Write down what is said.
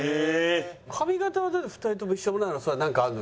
髪形は２人とも一緒なのはそれなんかあるの？